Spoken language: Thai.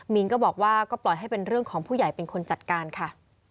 มีนก็บอกว่าก็ปล่อยให้เป็นเรื่องของผู้ใหญ่เป็นคนจัดการค่ะ